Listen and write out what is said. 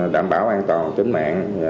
đảm bảo an toàn tính mạng